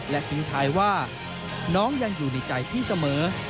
และทิ้งท้ายว่าน้องยังอยู่ในใจพี่เสมอ